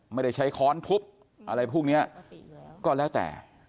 ไม่ได้ใช้ทุบอะไรพวกเนี้ยก็แล้วแต่อ่า